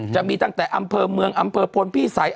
จะมีตั้งแต่อำเภอเมืองอำเภอพลพี่สัย